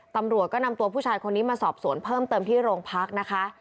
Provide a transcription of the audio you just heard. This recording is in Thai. ตำรวจก็นำตัวผู้ชายคนนี้มาสอบสวนเพิ่มเติมที่โรงพักนะคะ